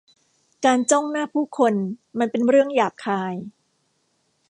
การจ้องหน้าผู้คนมันเป็นเรื่องหยาบคาย